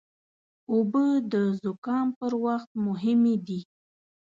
اوبه د زکام پر وخت مهمې دي.